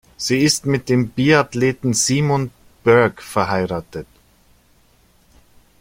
Sie ist mit dem Biathleten Simon Burke verheiratet.